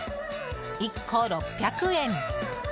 １個６００円。